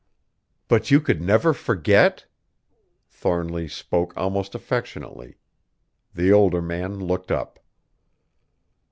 "But you could never forget?" Thornly spoke almost affectionately. The older man looked up.